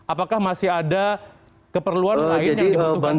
apakah masih ada keperluan lain yang dibutuhkan pengungsi sampai saat ini